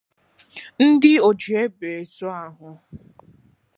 Ndị oji egbe ezu ahụ